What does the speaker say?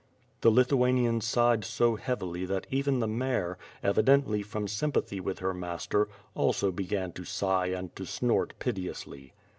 The Lithuanian sighed so heavily that even the mare, evi dently from sympathy with her master, also began to sigh and to snort piteously.